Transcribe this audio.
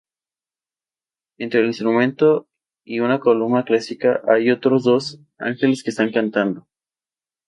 Entre el instrumento y una columna clásica, hay otros dos ángeles que están cantando.